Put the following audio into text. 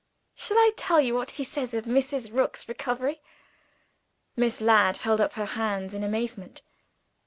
Shall I tell you what he says of Mrs. Rook's recovery?" Miss Ladd held up her hands in amazement.